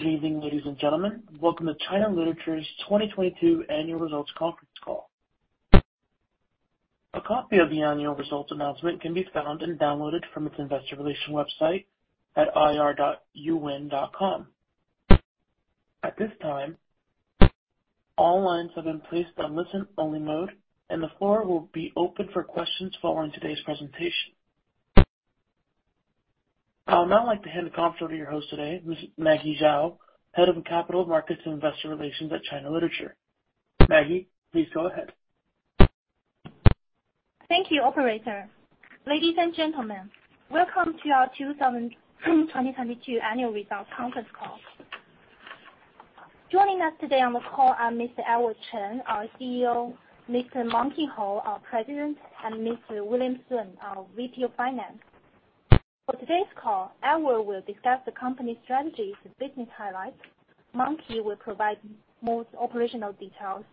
Good evening, ladies and gentlemen. Welcome to China Literature's 2022 annual results conference call. A copy of the annual results announcement can be found and downloaded from its investor relations website at ir.yuewen.com. At this time, all lines have been placed on listen-only mode, and the floor will be open for questions following today's presentation. I would now like to hand the conference over to your host today, Ms. Maggie Zhao, Head of Capital Markets and Investor Relations at China Literature. Maggie, please go ahead. Thank you, operator. Ladies and gentlemen, welcome to our 2022 annual results conference call. Joining us today on the call are Mr. Edward Cheng, our CEO, Mr. Monkey Hou, our President, and Mr. William Sun, our VP of Finance. For today's call, Edward will discuss the company's strategies and business highlights. Monkey will provide more operational details,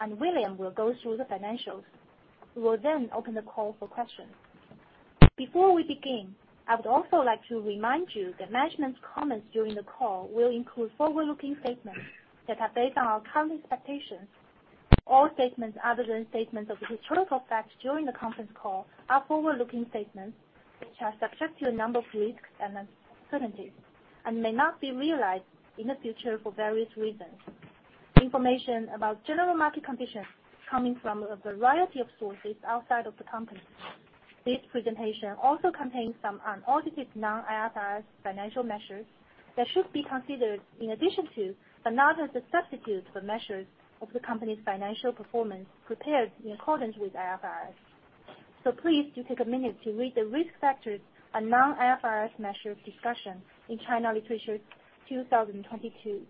and William will go through the financials. We will open the call for questions. Before we begin, I would also like to remind you that management's comments during the call will include forward-looking statements that are based on our current expectations. All statements other than statements of historical facts during the conference call are forward-looking statements which are subject to a number of risks and uncertainties and may not be realized in the future for various reasons. Information about general market conditions coming from a variety of sources outside of the company. This presentation also contains some unaudited non-IFRS financial measures that should be considered in addition to, but not as a substitute for, measures of the company's financial performance prepared in accordance with IFRS. Please do take a minute to read the risk factors and non-IFRS measures discussion in China Literature's 2022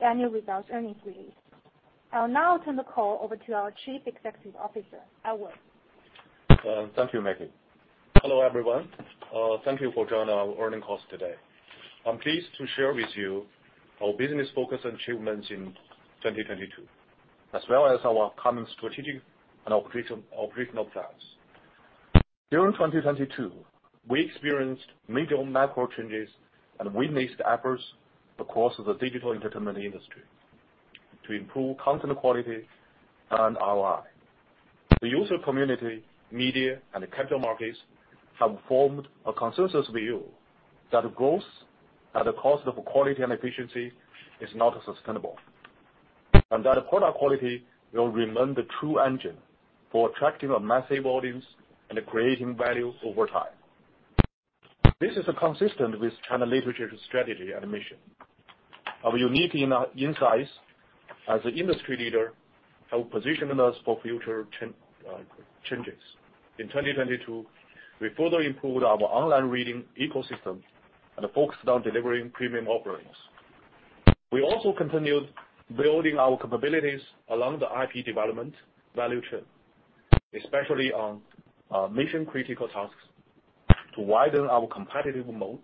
annual results earnings release. I'll now turn the call over to our Chief Executive Officer, Edward. Thank you, Maggie. Hello, everyone. Thank you for joining our earnings call today. I'm pleased to share with you our business focus and achievements in 2022, as well as our common strategic and operational plans. During 2022, we experienced major macro changes and witnessed efforts across the digital entertainment industry to improve content quality and ROI. The user community, media, and capital markets have formed a consensus view that growth at the cost of quality and efficiency is not sustainable, and that product quality will remain the true engine for attracting a massive audience and creating value over time. This is consistent with China Literature's strategy and mission. Our unique insights as an industry leader have positioned us for future changes. In 2022, we further improved our online reading ecosystem and focused on delivering premium offerings. We also continued building our capabilities along the IP development value chain, especially on mission-critical tasks to widen our competitive moat.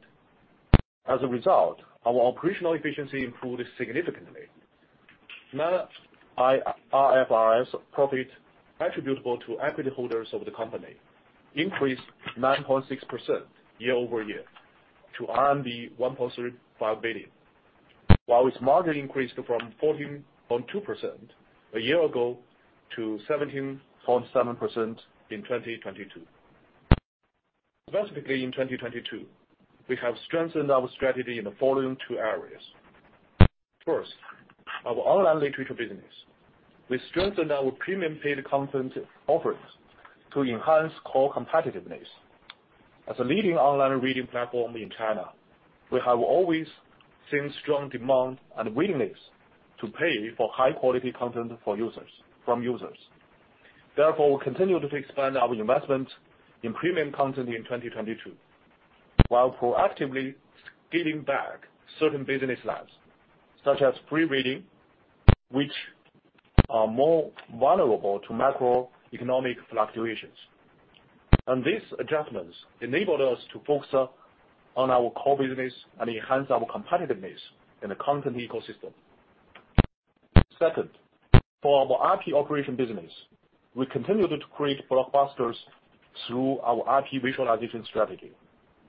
Our operational efficiency improved significantly. Net IFRS profit attributable to equity holders of the company increased 9.6% year-over-year to 1.35 billion, while its margin increased from 14.2% a year ago to 17.7% in 2022. Specifically in 2022, we have strengthened our strategy in the following two areas. Our online literature business. We strengthened our premium paid content offerings to enhance core competitiveness. A leading online reading platform in China, we have always seen strong demand and willingness to pay for high-quality content from users. Therefore, we continue to expand our investment in premium content in 2022, while proactively giving back certain business lines such as free reading, which are more vulnerable to macroeconomic fluctuations. These adjustments enabled us to focus on our core business and enhance our competitiveness in the content ecosystem. Second, for our IP operation business, we continued to create blockbusters through our IP visualization strategy.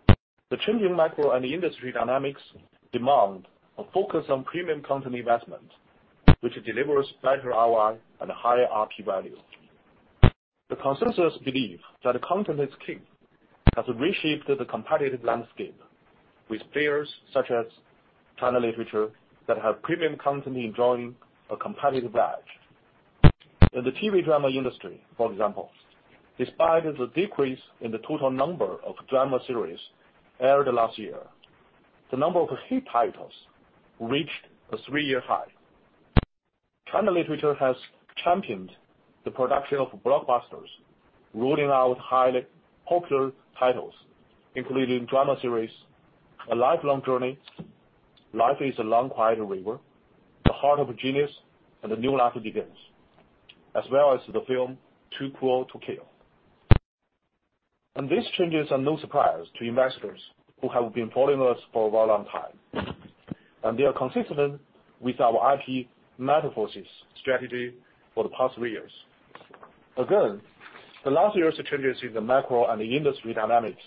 The changing macro and industry dynamics demand a focus on premium content investment, which delivers better ROI and higher RP value. The consensus belief that content is king has reshaped the competitive landscape with players such as China Literature that have premium content enjoying a competitive edge. In the TV drama industry, for example, despite the decrease in the total number of drama series aired last year, the number of hit titles reached a three-year high. China Literature has championed the production of blockbusters, rolling out highly popular titles, including drama series A Lifelong Journey, Life is a Long Quiet River, The Heart of a Genius, and New Life Begins, as well as the film Too Cool to Kill. These changes are no surprise to investors who have been following us for a very long time, and they are consistent with our IP Metaverse strategy for the past three years. Again, the last year's changes in the macro and the industry dynamics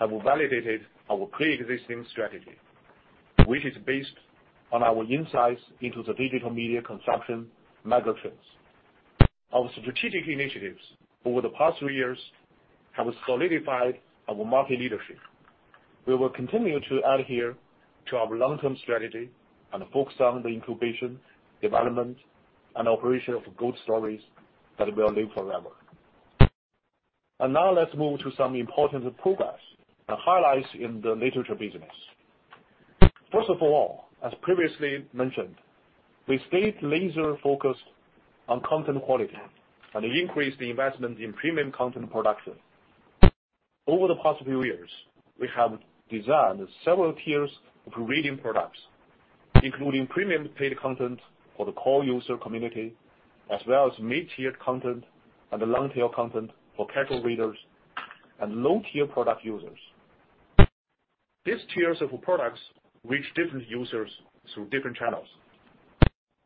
have validated our preexisting strategy, which is based on our insights into the digital media consumption megatrends. Our strategic initiatives over the past three years have solidified our market leadership. We will continue to adhere to our long-term strategy and focus on the incubation, development, and operation of good stories that will live forever. Now let's move to some important progress and highlights in the literature business. First of all, as previously mentioned, we stayed laser-focused on content quality and increased the investment in premium content production. Over the past few years, we have designed several tiers of reading products, including premium paid content for the core user community, as well as mid-tier content and the long-tail content for casual readers and low-tier product users. These tiers of products reach different users through different channels.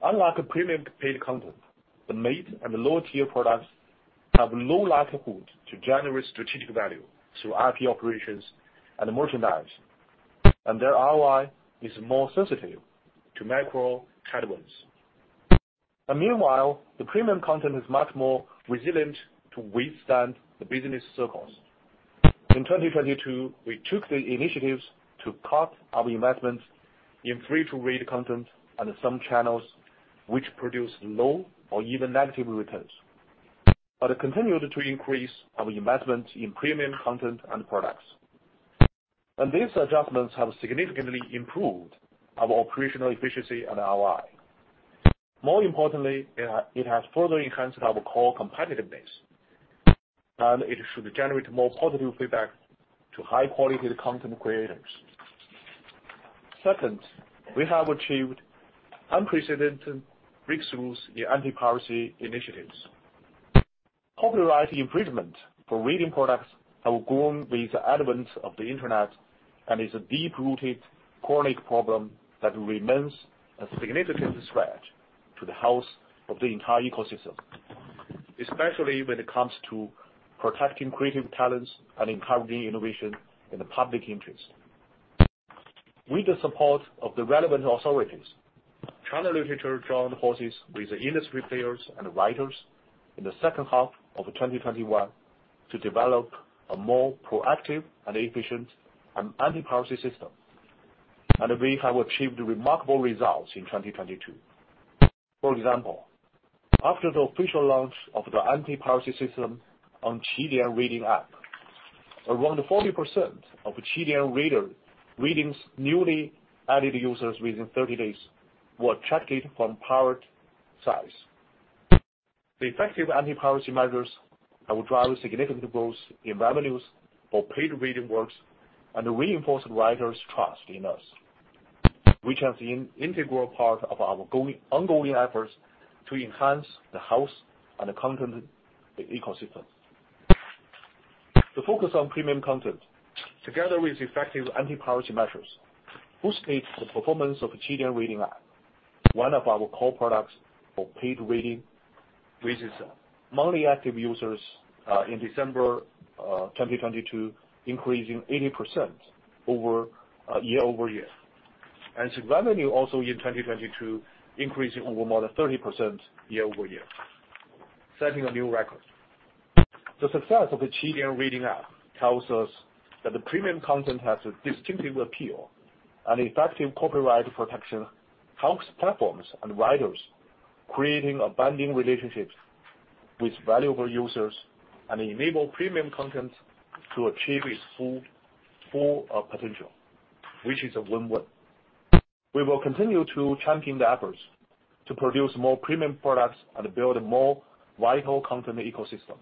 Unlike a premium paid content, the mid and the low-tier products have low likelihood to generate strategic value through IP operations and merchandise, and their ROI is more sensitive to macro headwinds. Meanwhile, the premium content is much more resilient to withstand the business circles. In 2022, we took the initiatives to cut our investments in free-to-read content and some channels which produce low or even negative returns, continued to increase our investment in premium content and products. These adjustments have significantly improved our operational efficiency and ROI. More importantly, it has further enhanced our core competitiveness, it should generate more positive feedback to high-quality content creators. Second, we have achieved unprecedented breakthroughs in anti-piracy initiatives. Copyright infringement for reading products have grown with the advent of the Internet and is a deep-rooted chronic problem that remains a significant threat to the health of the entire ecosystem, especially when it comes to protecting creative talents and encouraging innovation in the public interest. With the support of the relevant authorities, China Literature joined forces with the industry players and writers in the second half of 2021 to develop a more proactive and efficient an anti-piracy system. We have achieved remarkable results in 2022. For example, after the official launch of the anti-piracy system on Qidian reading app, around 40% of Qidian readings newly added users within 30 days, were attracted from pirate sites. The effective anti-piracy measures have drive significant growth in revenues for paid reading works and reinforce writers' trust in us, which has been integral part of our ongoing efforts to enhance the health and the content ecosystem. The focus on premium content, together with effective anti-piracy measures, boosted the performance of Qidian reading app. One of our core products for paid reading, which is monthly active users, in December 2022, increasing 80% over year-over-year. Its revenue also in 2022, increasing over more than 30% year-over-year, setting a new record. The success of the Qidian reading app tells us that the premium content has a distinctive appeal, and effective copyright protection helps platforms and writers creating abiding relationships with valuable users and enable premium content to achieve its full potential, which is a win-win. We will continue to champion the efforts to produce more premium products and build a more vital content ecosystem.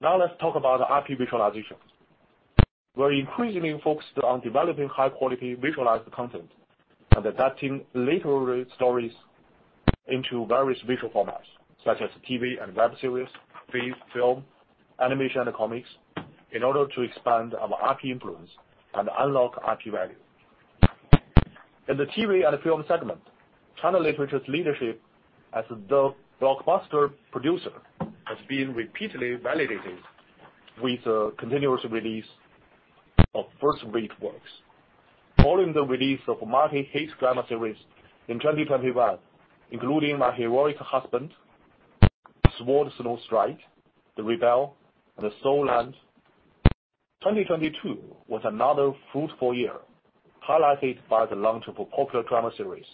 Now let's talk about IP visualization. We're increasingly focused on developing high-quality visualized content and adapting literary stories into various visual formats, such as TV and web series, movies, film, animation, and comics, in order to expand our IP influence and unlock IP value. In the TV and film segment, China Literature's leadership as the blockbuster producer has been repeatedly validated with the continuous release of first-rate works. Following the release of multi-hit drama series in 2021, including My Heroic Husband, Sword Snow Stride, The Rebel, and Soul Land. 2022 was another fruitful year, highlighted by the launch of a popular drama series,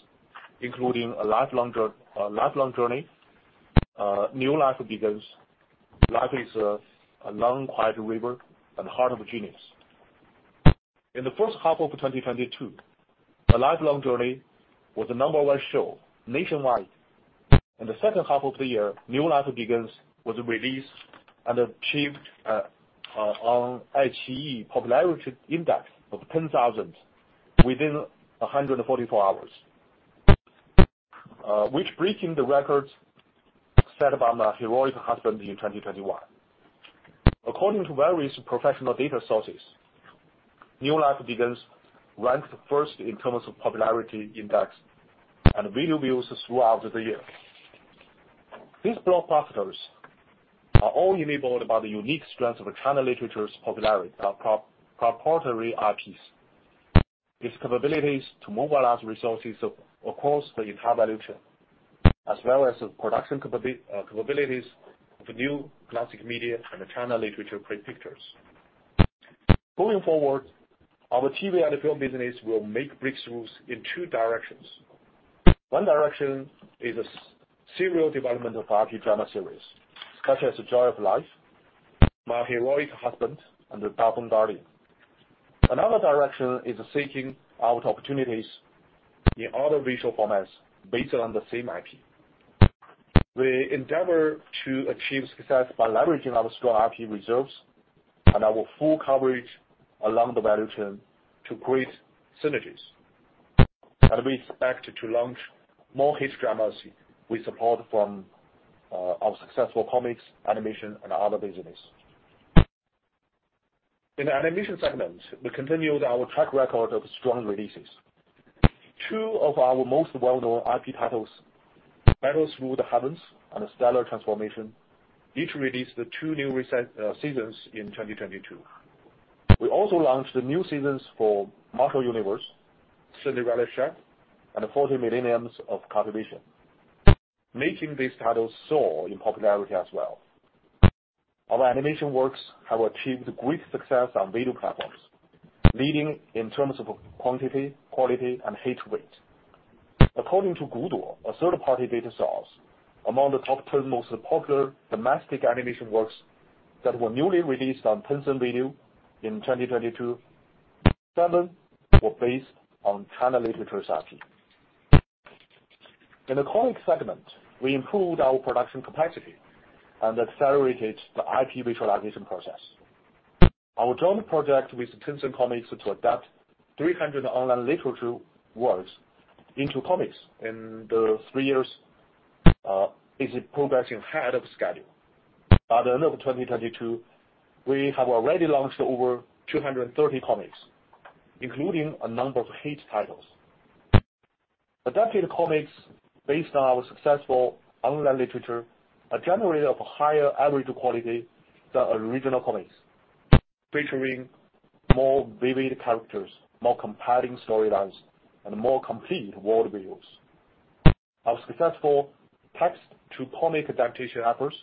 including A Lifelong Journey, New Life Begins, Life is a Long Quiet River, and Heart of a Genius. In the first half of 2022, A Lifelong Journey was the number one show nationwide. In the second half of the year, New Life Begins was released and achieved on iQIYI popularity index of 10,000 within 144 hours, breaking the records set by My Heroic Husband in 2021. According to various professional data sources, New Life Begins ranked first in terms of popularity index and video views throughout the year. These blockbusters are all enabled by the unique strengths of China Literature's popularity of proprietary IPs. Its capabilities to mobilize resources across the entire value chain, as well as the production capabilities of New Classics Media and China Literature Pictures. Going forward, our TV and film business will make breakthroughs in two directions. One direction is a serial development of IP drama series, such as Joy of Life, My Heroic Husband, and The Dafeng Guardian. Another direction is seeking out opportunities in other visual formats based on the same IP. We endeavor to achieve success by leveraging our strong IP reserves and our full coverage along the value chain to create synergies. We expect to launch more hit dramas with support from our successful comics, animation, and other business. In animation segment, we continued our track record of strong releases. Two of our most well-known IP titles, Battle Through the Heavens and Stellar Transformations, each released the two new seasons in 2022. We also launched the new seasons for Martial Universe, Cinderella Chef, and Forty Millenniums of Cultivation, making these titles soar in popularity as well. Our animation works have achieved great success on video platforms, leading in terms of quantity, quality, and hit rate. According to Guduo, a third-party data source, among the top 10 most popular domestic animation works that were newly released on Tencent Video in 2022, seven were based on China Literature's IP. In the comic segment, we improved our production capacity and accelerated the IP visualization process. Our joint project with Tencent Comics to adapt 300 online literature works into comics in the three years is progressing ahead of schedule. By the end of 2022, we have already launched over 230 comics, including a number of hit titles. Adapted comics based on our successful online literature are generally of higher average quality than original comics, featuring more vivid characters, more compelling storylines, and more complete worldviews. Our successful text-to-comic adaptation efforts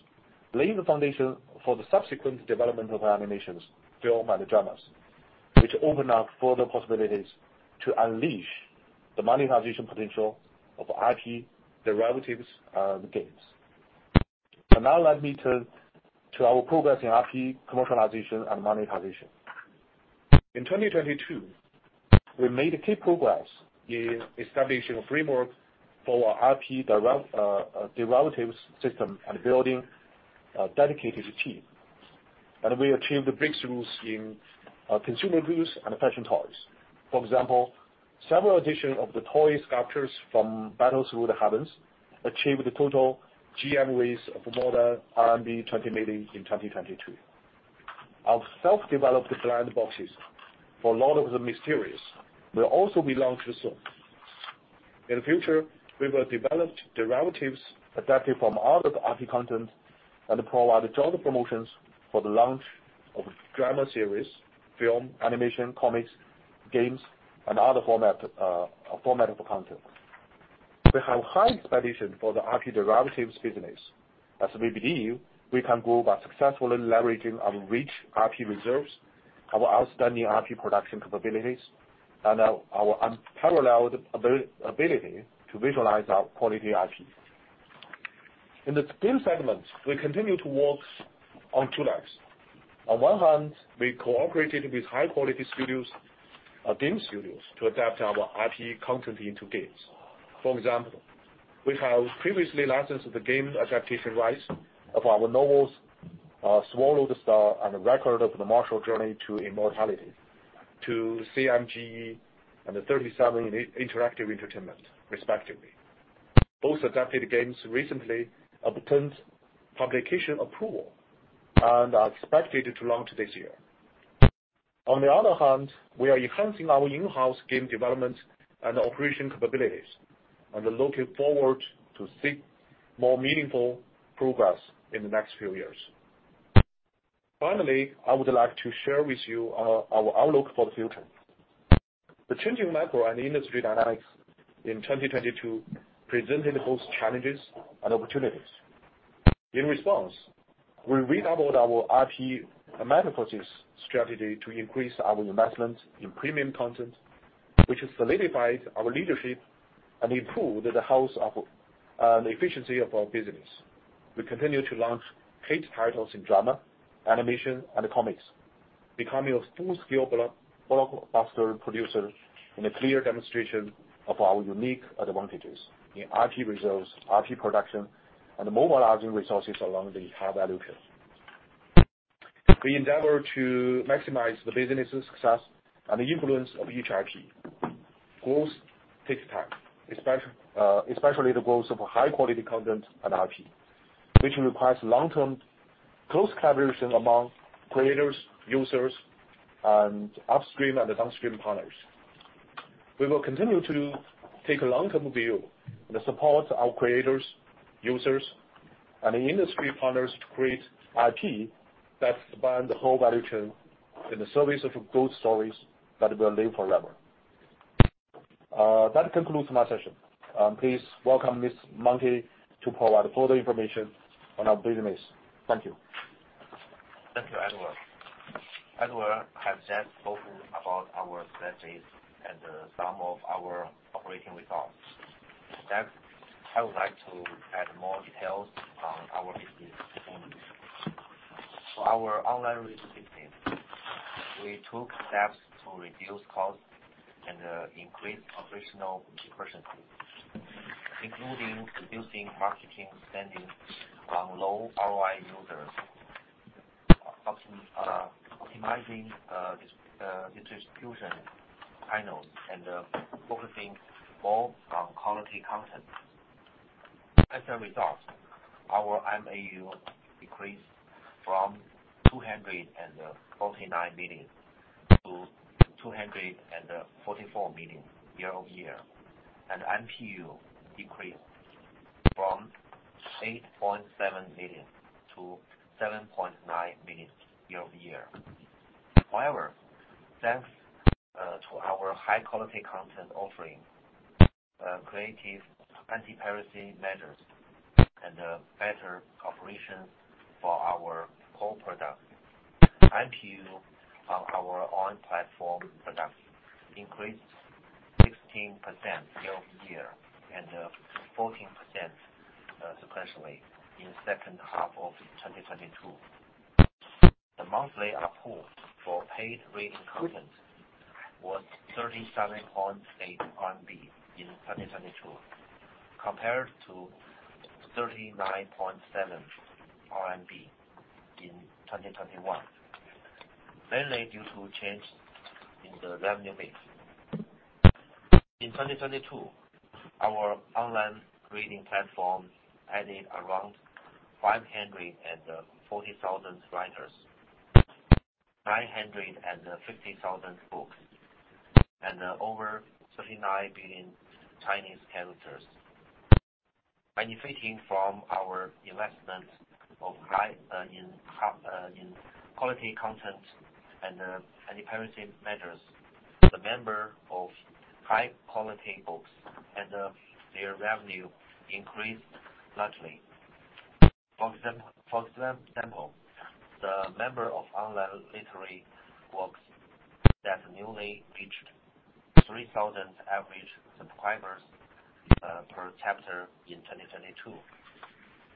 lay the foundation for the subsequent development of animations, film, and the dramas, which open up further possibilities to unleash the monetization potential of IP derivatives and games. Now let me turn to our progress in IP commercialization and monetization. In 2022, we made key progress in establishing a framework for our IP derivatives system and building a dedicated team. We achieved the breakthroughs in consumer goods and fashion toys. For example, several edition of the toy sculptures from Battle Through the Heavens achieved a total GMV of more than RMB 20 million in 2022. Our self-developed blind boxes for Lord of the Mysteries will also be launched soon. In the future, we will develop derivatives adapted from other IP content and provide joint promotions for the launch of drama series, film, animation, comics, games, and other format of content. We have high expectation for the IP derivatives business, as we believe we can grow by successfully leveraging our rich IP reserves, our outstanding IP production capabilities, and our unparalleled ability to visualize our quality IP. In the game segment, we continue to walk on two legs. On one hand, we cooperated with high-quality studios, game studios to adapt our IP content into games. For example, we have previously licensed the game adaptation rights of our novels, Swallowed Star and A Record of a Mortal's Journey to Immortality, to CMGE and 37 Interactive Entertainment, respectively. Both adapted games recently obtained publication approval and are expected to launch this year. We are enhancing our in-house game development and operation capabilities, and looking forward to seek more meaningful progress in the next few years. Finally, I would like to share with you our outlook for the future. The changing macro and industry dynamics in 2022 presented both challenges and opportunities. In response, we redoubled our IP monetization strategy to increase our investment in premium content, which has solidified our leadership and improved the efficiency of our business. We continue to launch hit titles in drama, animation, and comics, becoming a full-scale blockbuster producer in a clear demonstration of our unique advantages in IP reserves, IP production, and mobilizing resources along the entire value chain. We endeavor to maximize the business' success and the influence of each IP. Growth takes time, especially the growth of a high quality content and IP, which requires long-term close collaboration among creators, users, and upstream and downstream partners. We will continue to take a long-term view and support our creators, users, and the industry partners to create IP that span the whole value chain in the service of good stories that will live forever. That concludes my session. Please welcome Mr. Monkey Ho to provide further information on our business. Thank you. Thank you, Edward. Edward has just spoken about our strategies and some of our operating results. I would like to add more details on our business performance. Our online reading business, we took steps to reduce costs and increase operational efficiency, including reducing marketing spending on low ROI users, optimizing distribution channels, and focusing more on quality content. As a result, our MAU decreased from 249 million-244 million year-over-year, and MPU decreased from 8.7 million-7.9 million year-over-year. Thanks to our high quality content offering, creative anti-piracy measures, and better operations for our core products, MPU on our own platform products increased 16% year-over-year and 14% sequentially in second half of 2022. The monthly ARPU for paid reading content was 37.8 in 2022, compared to 39.7 RMB in 2021, mainly due to change in the revenue base. In 2022, our online reading platform added around 540,000 writers, 950,000 books, and over 39 billion Chinese characters. Benefiting from our investment of high in quality content and anti-piracy measures, the number of high quality books and their revenue increased largely. For example, the number of online literary works that newly reached 3,000 average subscribers per chapter in 2022,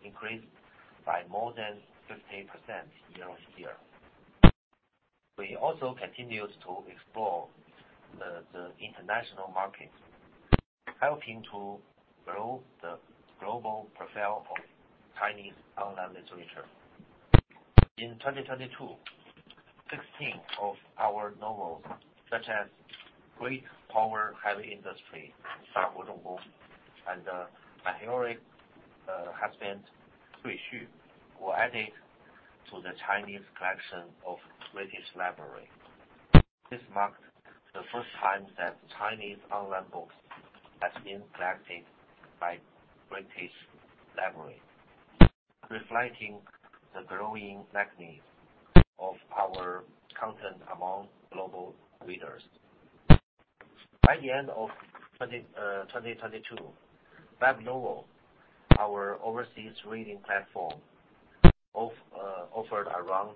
increased by more than 50% year-over-year. We also continued to explore the international markets, helping to grow the global profile of Chinese online literature. In 2022, 16 of our novels, such as Great Power, Heavy Industry, My Heroic Husband, were added to the Chinese collection of British Library. This marked the first time that Chinese online books has been collected by British Library, reflecting the growing magnitude of our content among global readers. By the end of 2022, WebNovel, our overseas reading platform, offered around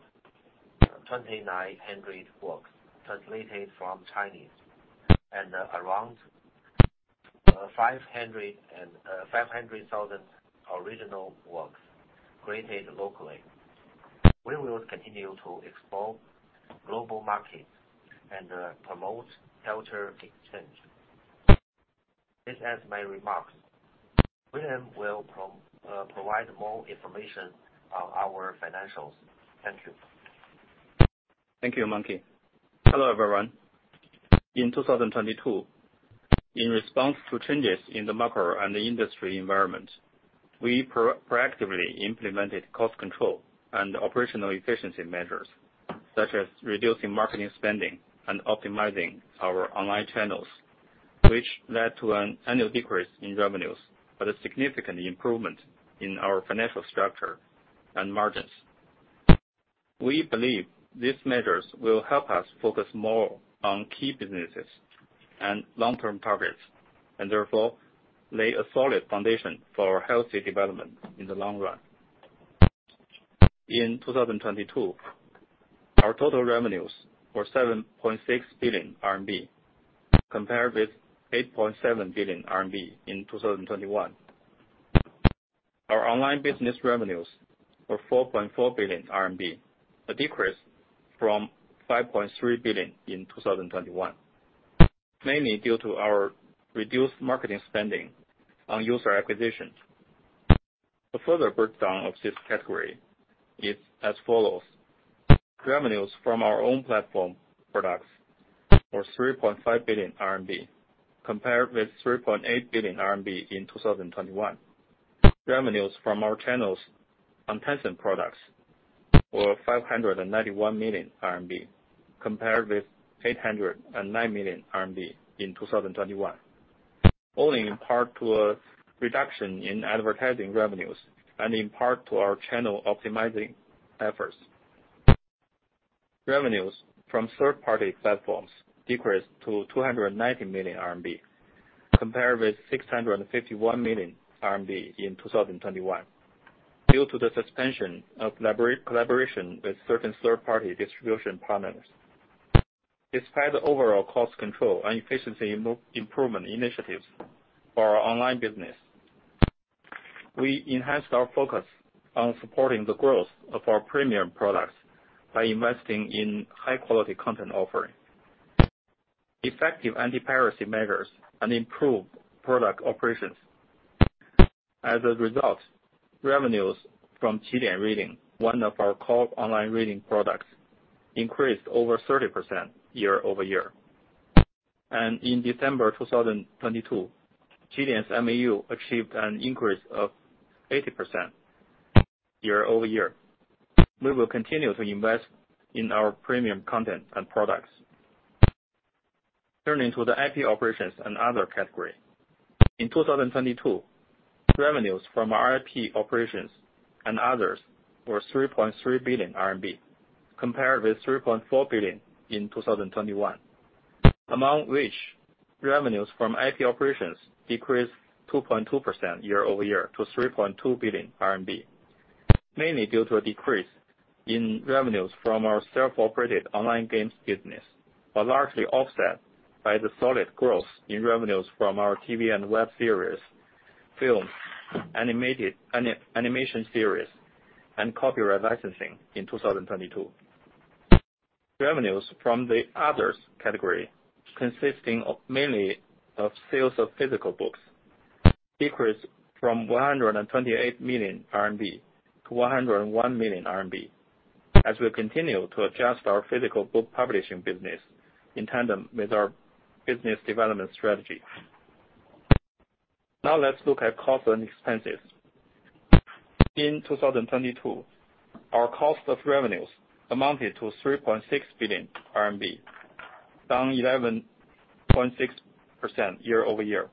2,900 books translated from Chinese and around 500,000 original works created locally. We will continue to explore global markets and promote culture exchange. This ends my remarks. William will provide more information on our financials. Thank you. Thank you, Monkey. Hello, everyone. In 2022, in response to changes in the macro and the industry environment, we proactively implemented cost control and operational efficiency measures, such as reducing marketing spending and optimizing our online channels, which led to an annual decrease in revenues, but a significant improvement in our financial structure and margins. We believe these measures will help us focus more on key businesses and long-term targets, and therefore, lay a solid foundation for healthy development in the long run. In 2022, our total revenues were 7.6 billion RMB, compared with 8.7 billion RMB in 2021. Our online business revenues were 4.4 billion RMB, a decrease from 5.3 billion in 2021, mainly due to our reduced marketing spending on user acquisition. A further breakdown of this category is as follows. Revenues from our own platform products were 3.5 billion RMB compared with 3.8 billion RMB in 2021. Revenues from our channels on Tencent products were 591 million RMB compared with 809 million RMB in 2021. Owing in part to a reduction in advertising revenues and in part to our channel optimizing efforts. Revenues from third-party platforms decreased to 290 million RMB compared with 651 million RMB in 2021 due to the suspension of collaboration with certain third party distribution partners. Despite the overall cost control and efficiency improvement initiatives for our online business, we enhanced our focus on supporting the growth of our premium products by investing in high quality content offering, effective anti-piracy measures, and improved product operations. As a result, revenues from Qidian Reading, one of our core online reading products, increased over 30% year-over-year. In December 2022, Qidian's MAU achieved an increase of 80% year-over-year. We will continue to invest in our premium content and products. Turning to the IP operations and other category. In 2022, revenues from our IP operations and others were 3.3 billion RMB compared with 3.4 billion in 2021. Among which, revenues from IP operations decreased 2.2% year-over-year to 3.2 billion RMB, mainly due to a decrease in revenues from our self-operated online games business, but largely offset by the solid growth in revenues from our TV and web series, films, animation series, and copyright licensing in 2022. Revenues from the others category, consisting of mainly of sales of physical books, decreased from 128 million RMB to 101 million RMB as we continue to adjust our physical book publishing business in tandem with our business development strategy. Now let's look at costs and expenses. In 2022, our cost of revenues amounted to 3.6 billion RMB, down 11.6% year-over-year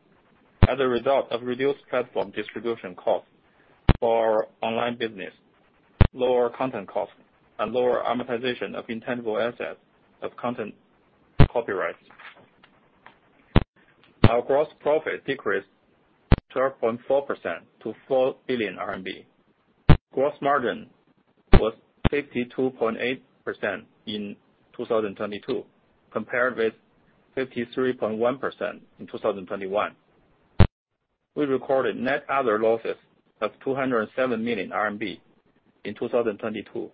as a result of reduced platform distribution costs for our online business, lower content costs, and lower amortization of intangible assets of content copyrights. Our gross profit decreased 12.4% to 4 billion RMB. Gross margin was 52.8% in 2022, compared with 53.1% in 2021. We recorded net other losses of 207 million RMB in 2022,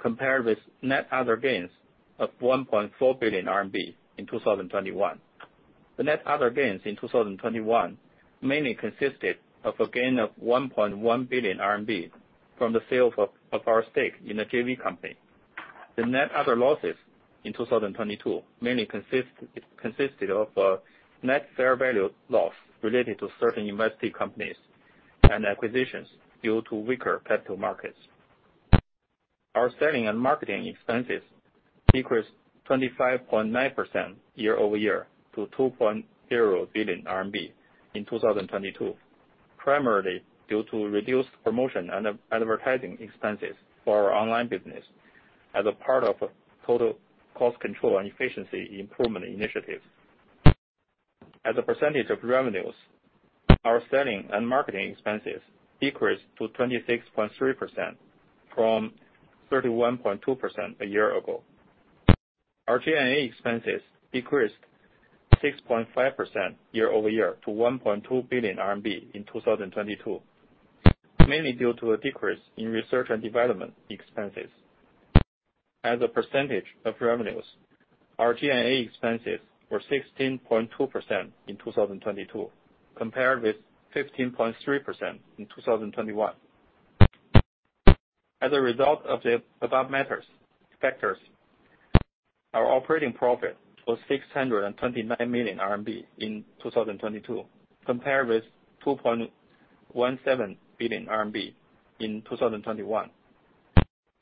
compared with net other gains of 1.4 billion RMB in 2021. The net other gains in 2021 mainly consisted of a gain of 1.1 billion RMB from the sale of our stake in the JV Company. The net other losses in 2022 mainly consisted of net fair value loss related to certain invested companies and acquisitions due to weaker capital markets. Our selling and marketing expenses decreased 25.9% year-over-year to 2.0 billion RMB in 2022, primarily due to reduced promotion and advertising expenses for our online business as a part of total cost control and efficiency improvement initiatives. As a percentage of revenues, our selling and marketing expenses decreased to 26.3% from 31.2% a year ago. Our G&A expenses decreased 6.5% year-over-year to 1.2 billion RMB in 2022, mainly due to a decrease in research and development expenses. As a percentage of revenues, our G&A expenses were 16.2% in 2022, compared with 15.3% in 2021. As a result of the above factors, our operating profit was 629 million RMB in 2022 compared with 2.17 billion RMB in 2021.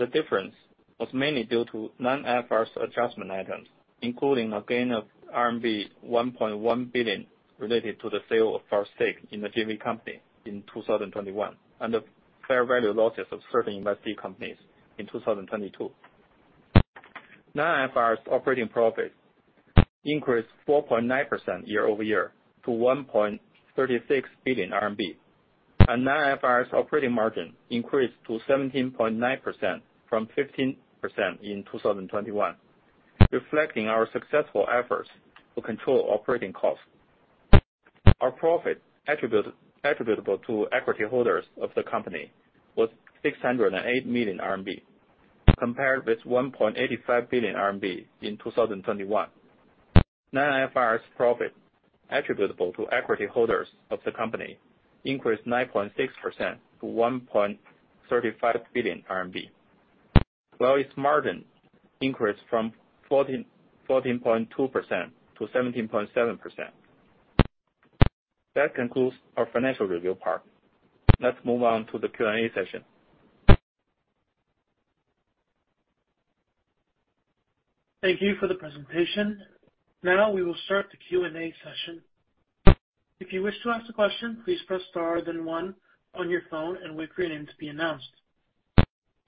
The difference was mainly due to non-IFRS adjustment items, including a gain of RMB 1.1 billion related to the sale of our stake in the JV Company in 2021, and the fair value losses of certain invested companies in 2022. Non-IFRS operating profit increased 4.9% year-over-year to 1.36 billion RMB, and non-IFRS operating margin increased to 17.9% from 15% in 2021, reflecting our successful efforts to control operating costs. Our profit attributable to equity holders of the company was 608 million RMB compared with 1.85 billion RMB in 2021. IFRS profit attributable to equity holders of the company increased 9.6% to 1.35 billion RMB. While its margin increased from 14.2%-17.7%. That concludes our financial review part. Let's move on to the Q&A session. Thank you for the presentation. Now we will start the Q&A session. If you wish to ask a question, please press star then one on your phone and wait for your name to be announced.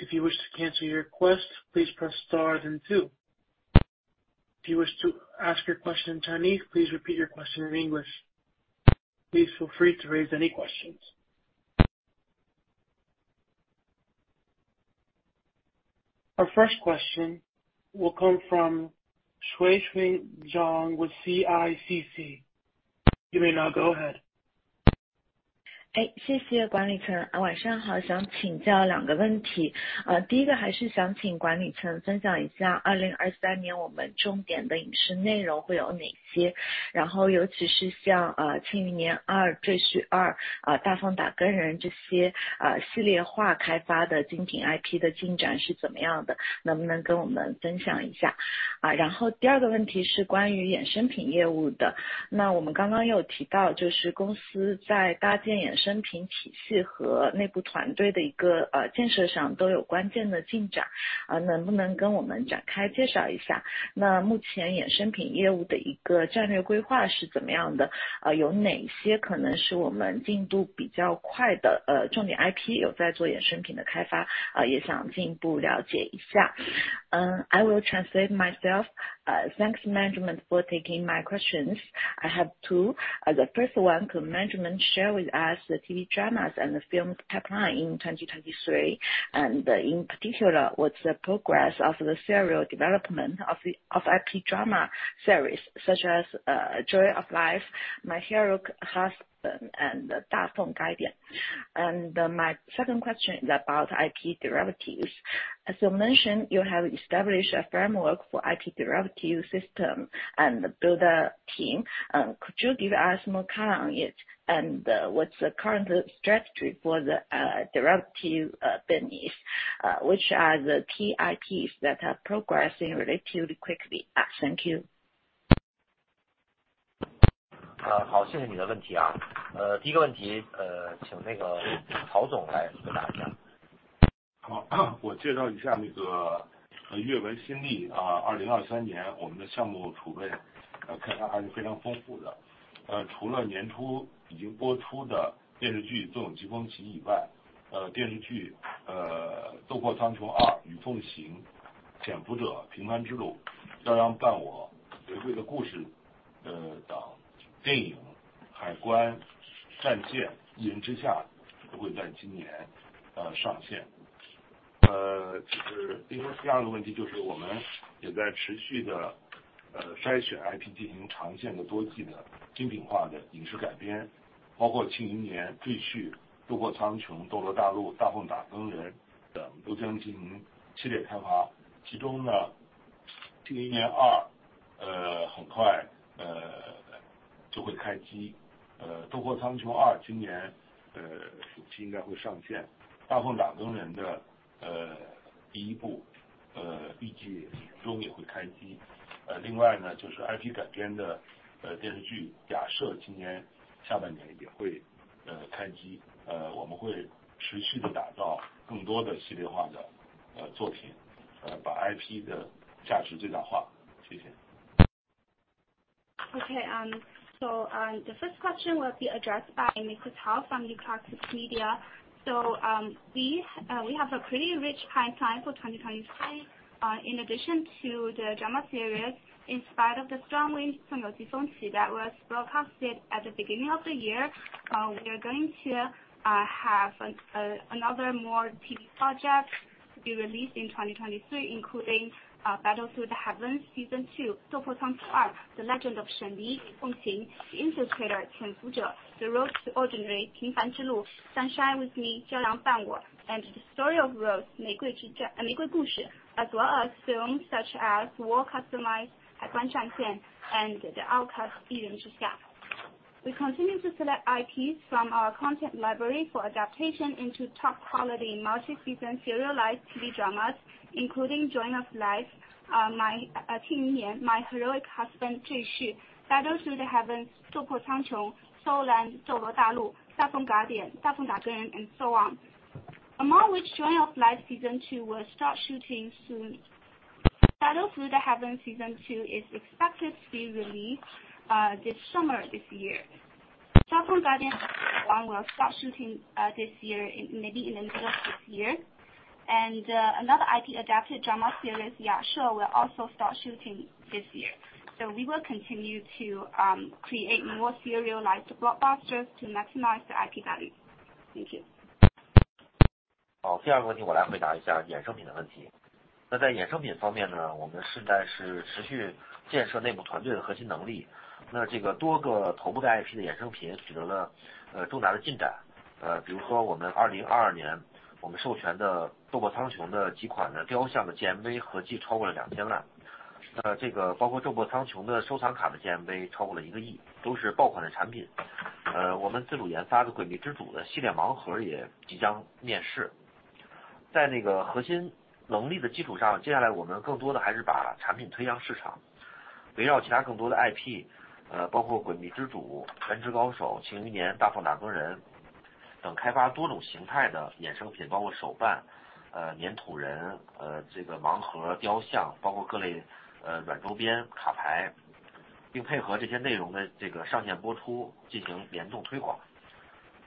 If you wish to cancel your request, please press star then two. If you wish to ask your question in Chinese, please repeat your question in English. Please feel free to raise any questions. Our first question will come from Xueqing Zhang with CICC. You may now go ahead. 谢谢管理层。晚上 好， 想请教 two questions. 第一个还是想请管理层分享一下2023年我们重点的影视内容会有哪 些？ 然后尤其是像 Joy of Life 2、My Heroic Husband 2、Dafeng Guardian 这些系列化开发的精品 IP 的进展是怎么样 的？ 能不能跟我们分享一 下？ 第二个问题是关于衍生品业务的。我们刚刚有提 到， 就是公司在搭建衍生品体系和内部团队的一个建设上都有关键的进 展， 能不能跟我们展开介绍一 下， 那目前衍生品业务的一个战略规划是怎么样 的？ 有哪些可能是我们进度比较快 的， 重点 IP 有在做衍生品的开 发， 也想进一步了解一下。I will translate myself. Thanks management for taking my questions. I have two. The first one, could management share with us the TV dramas and the film pipeline in 2023? In particular, what's the progress of the serial development of IP drama series such as Joy of Life, My Heroic Husband and 大奉打更 人. My second question is about IP derivatives. As you mentioned, you have established a framework for IP derivative system and build a team. Could you give us more color on it? What's the current strategy for the derivative business? Which are the key IPs that are progressing relatively quickly? Thank you. 呃。好， 谢谢你的问题啊。呃， 第一个问 题， 呃， 请那个曹总来给大家。好。我介绍一 下， 那个月为新 历， 啊。二零二三年我们的项目储备 呃， 看看还是非常丰富的。呃， 除了年初已经播出的电视剧斗破激风起以 外， 呃， 电视 剧， 呃， 斗破苍穹二、与凤行、潜伏者、平凡之路、骄阳伴我、玫瑰的故 事， 呃， 等电影海关单线、一人之下都会在今年 呃， 上线。呃， 就是第二个问题就是我们也在持续地 呃， 筛选 IP 进行长线的多季的精品化的影视改 编， 包括庆余年、赘婿、斗破苍穹、斗罗大陆、大奉打更人等都将进行系列开发。其中的庆余年 二， 呃， 很快呃，就会开机。呃， 斗破苍穹二今年 呃， 暑期应该会上线。大奉打更人 的， 呃， 第一 部， 呃， 预计年中也会开机。呃， 另外 呢， 就是 IP 改编的 呃， 电视 剧， 假设今年下半年也会 呃， 开 机， 呃， 我们会持续地打造更多的系列化的 呃， 作 品， 呃， 把 IP 的价值最大化。谢谢。Okay, the first question will be addressed by Mr. Cao from New Classics Media. We have a pretty rich pipeline for 2023. In addition to the drama series, In Spite of the Strong Winds from 季风起 that was broadcasted at the beginning of the year, we are going to have another more TV project to be released in 2023, including Battle Through the Heavens Season Two 斗破苍穹 二, The Legend of Shen Li 与凤 行, The Infiltrator 潜伏 者, The Road to Ordinary 平凡之 路, Sunshine With Me 骄阳伴 我, and The Tale of Rose 玫瑰的故事, as well as films such as War Customised 海关战线 and The Outcast 一人之 下. We continue to select IPs from our content library for adaptation into top quality multi-season serialized TV dramas, including Joy of Life 庆余 年, My Heroic Husband 赘 婿, Battle Through the Heavens 斗破苍 穹, Soul Land 斗罗大 陆, 大奉打更人 and so on. Among which Joy of Life Season Two will start shooting soon. Battle Through the Heavens Season Two is expected to be released this summer this year. 大奉打更人 will start shooting this year, maybe in the middle of this year. Another IP adapted drama series, sure, will also start shooting this year. We will continue to create more serialized blockbusters to maximize the IP value. Thank you. 好， 第二个问题我来回答一下衍生品的问题。那在衍生品方面 呢， 我们现在是持续建设内部团队的核心能力那这个多个头部的 IP 的衍生品取得 了， 呃， 巨大的进展。呃， 比如说我们2022年我们授权的斗破苍穹的几款的雕像的 GMV 合计超过了两千 万， 呃， 这个包括斗破苍穹的收藏卡的 GMV 超过了一个 亿， 都是爆款的产品。呃， 我们自主研发的鬼灭之主的系列盲盒也即将面世。在那个核心能力的基础 上， 接下来我们更多的还是把产品推向市 场， 围绕其他更多的 IP， 呃， 包括鬼灭之主、全职高手、庆余年、大富豪等人 等， 开发多种形态的衍生 品， 包括手办、呃， 黏土人、呃， 这个盲盒、雕 像， 包括各 类， 呃， 软周边、卡 牌， 并配合这些内容的这个上线播出进行联动推广。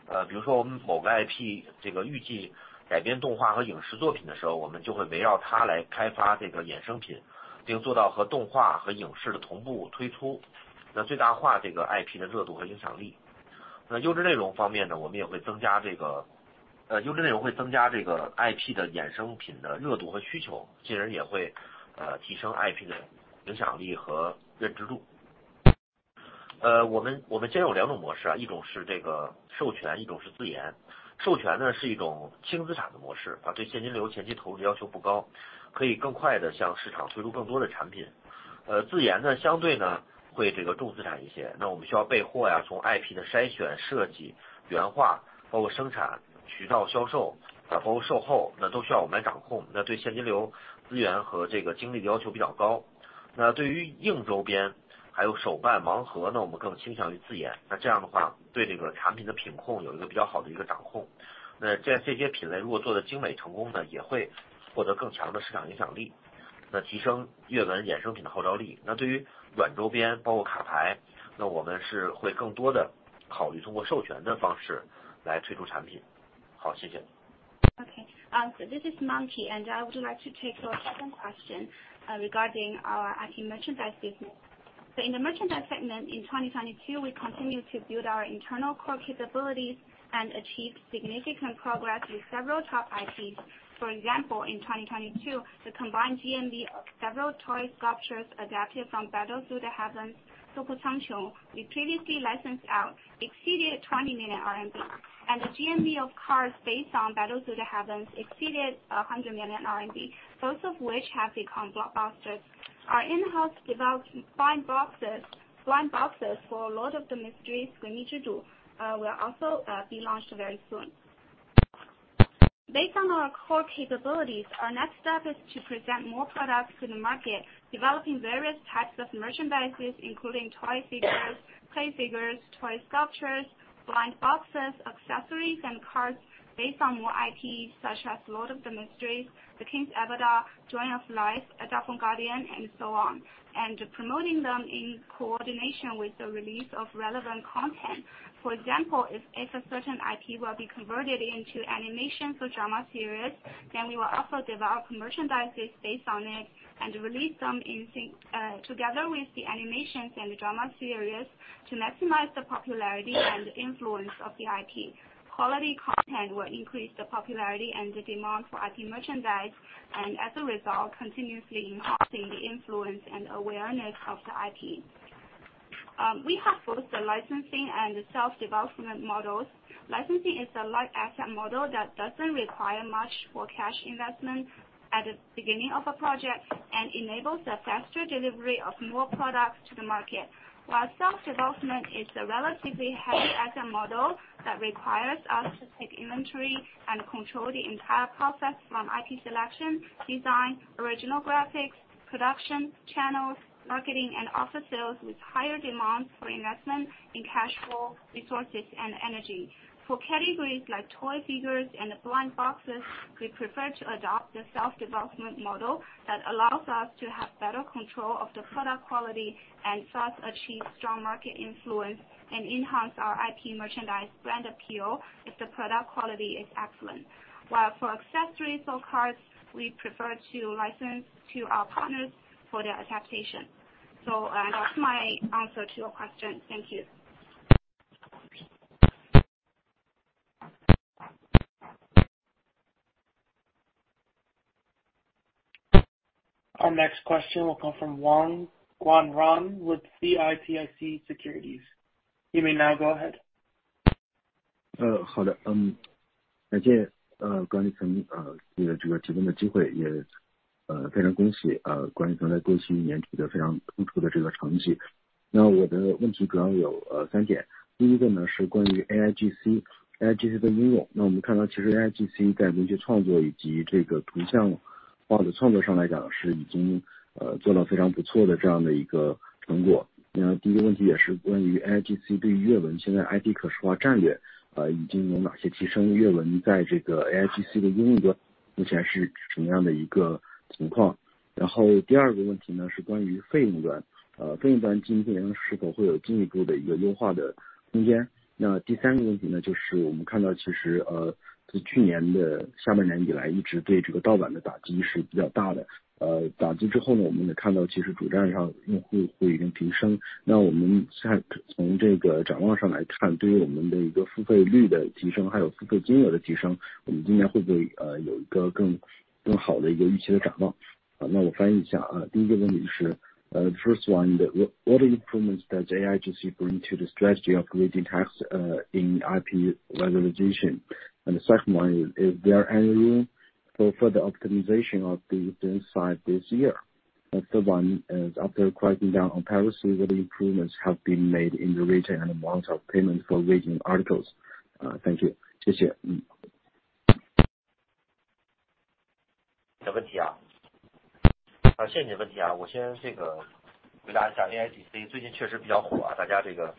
呃， 比如说我们某个 IP， 这个预计改编动画和影视作品的时 候， 我们就会围绕它来开发这个衍生 品， 并做到和动画和影视的同步推出，那最大化这个 IP 的热度和影响力。那优质内容方面 呢， 我们也会增加这 个... 呃， 优质内容会增加这个 IP 的衍生品的热度和需 求， 进而也 会， 呃， 提升 IP 的影响力和认知度。呃， 我 们， 我们现在有两种模 式， 一种是这个授 权， 一种是自研。授权呢是一种轻资产的模 式， 它对现金流前期投入要求不 高， 可以更快地向市场推出更多的产品。呃， 自研 呢， 相对呢，会这个重资产一 些， 那我们需要备货 呀， 从 IP 的筛选、设计、原 画， 包括生产、渠道、销 售， 啊包括售 后， 那都需要我们来掌 控， 那对现金流、资源和这个精力要求比较高。那对于硬周 边， 还有手办、盲盒 呢， 我们更倾向于自 研， 那这样的 话， 对这个产品的品控有一个比较好的一个掌控。那这-这些品类如果做得精美成功 呢， 也会获得更强的市场影响力，那提升阅文衍生品的号召力。那对于软周 边， 包括卡 牌， 那我们是会更多地考虑通过授权的方式来推出产品。好， 谢谢。Okay, this is Monkey, and I would like to take your second question regarding our IP merchandise business. In the merchandise segment in 2022, we continue to build our internal core capabilities and achieve significant progress with several top IPs. For example, in 2022, the combined GMV of several toy sculptures adapted from Battle Through the Heavens, Dou Po Cang Quing, we previously licensed out exceeded 20 million RMB, and the GMV of cars based on Battle Through the Heavens exceeded 100 million RMB, both of which have become blockbusters. Our in-house developed blind boxes, blind boxes for Lord of the Mysteries, Guimi Zhi hu, will also be launched very soon. Based on our core capabilities, our next step is to present more products to the market, developing various types of merchandises, including toy figures, play figures, toy sculptures, blind boxes, accessories, and cards based on more IPs such as Lord of the Mysteries, The King's Avatar, Joy of Life, Dafeng Guardian, and so on, and promoting them in coordination with the release of relevant content. For example, if a certain IP will be converted into animation for drama series, then we will also develop merchandises based on it and release them in sync together with the animations and drama series to maximize the popularity and influence of the IP. Quality content will increase the popularity and the demand for IP merchandise, and as a result, continuously enhancing the influence and awareness of the IP. We have both the licensing and self-development models. Licensing is a light asset model that doesn't require much for cash investment at the beginning of a project, and enables a faster delivery of more products to the market. While self-development is a relatively heavy asset model that requires us to take inventory and control the entire process from IP selection, design, original graphics, production, channels, marketing, and office sales with higher demands for investment in cash flow, resources, and energy. For categories like toy figures and blind boxes, we prefer to adopt the self-development model that allows us to have better control of the product quality and thus achieve strong market influence and enhance our IP merchandise brand appeal if the product quality is excellent. While for accessories or cards, we prefer to license to our partners for their adaptation. That's my answer to your question. Thank you. Our next question will come from Wang Guanran with CITIC Securities. You may now go ahead. 呃， 好 的， 嗯， 感 谢， 呃， 管理 层， 呃， 这个提供的机 会， 也， 呃， 非常恭 喜， 呃， 管理层在过去一年取得非常出色的这个成绩。那我的问题主要 有， 呃， 三 点， 第一个 呢， 是关于 AIGC，AIGC 的应用。那我们看到其实 AIGC 在一些创作以及这个图像化的创作上来 讲， 是已 经， 呃， 做到非常不错的这样的一个成果。那第一个问题也是关于 AIGC 对阅文现在 IP 可视化战 略， 呃， 已经有哪些提 升， 阅文在这个 AIGC 的应用 呢， 目前是什么样的一个情 况？ 然后第二个问题 呢， 是关于费用 端， 呃， 费用端经营效率是否会有进一步的一个优化的空间。那第三个问题 呢， 就是我们看到其 实， 呃， 自去年的下半年以 来， 一直对这个盗版的打击是比较大 的， 呃， 打击之后 呢， 我们也看到其实主站上用户已经提 升， 那我们下--从这个展望上来 看， 对于我们的一个付费率的提 升， 还有付费金额的提 升， 我们今年会不 会， 呃， 有一个更，更好的一个预期的展望。那我翻译一 下， 呃， 第一个问题是 ，uh, first one, what, what improvements does AIGC bring to the strategy of creating tasks, uh, in IP visualization? The second one, is there any room for further optimization of the expense side this year? The third one is after cracking down on piracy, what improvements have been made in the rate and amount of payments for reading articles? Thank you. 谢 谢. 这问题啊。呃， 谢谢你问题啊。我先这个回答一下 AIGC 最近确实比较火 啊， 大家这个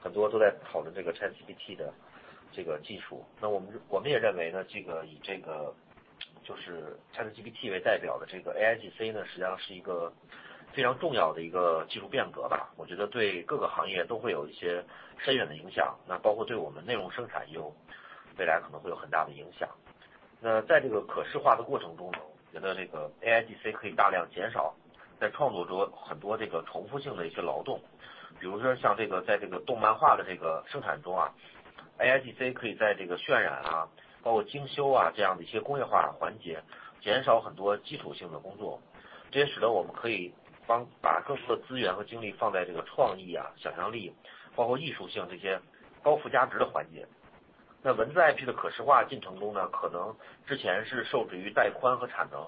很多都在讨论这个 ChatGPT 的这个技 术， 那我 们， 我们也认为 呢， 这个以这 个， 就是 ChatGPT 为代表的这个 AIGC 呢， 实际上是一个非常重要的一个技术变革 吧， 我觉得对各个行业都会有一些深远的影 响， 那包括对我们内容生产也有未来可能会有很大的影响。那在这个可视化的过程中 呢， 觉得这个 AIGC 可以大量减少在创作中很多这个重复性的一些劳 动， 比如说像这个在动漫化的这个生产中啊 ，AIGC 可以在这个渲染 啊， 包括精修 啊， 这样的一些工业化的环 节， 减少很多基础性的工 作， 这也使得我们可以 帮， 把更多的资源和精力放在这个创意啊、想象 力， 包括艺术性这些高附加值的环节。那文字 IP 的可视化进程中 呢， 可能之前是受制于带宽和产 能，